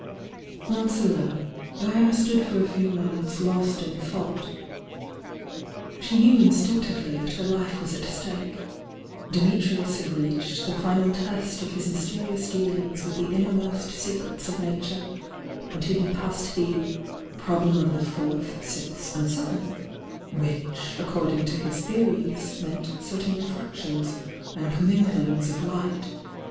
Once alone, Diana stood for a few moments lost in thought. She knew instinctively that her life was at stake, — Dimitrius had reached the final test of his mysterious dealings with the innermost secrets of Nature, and he had passed the "problem of the Fourth, Sixth and Seventh," which according to his theories, meant certain refractions and comminglinga of light.